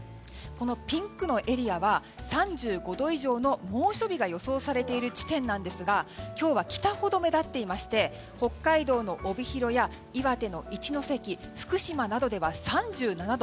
ピンクのエリアは３５度以上の猛暑日が予想されている地点なんですが今日は北ほど目立っていまして北海道の帯広や岩手の一関福島などでは３７度。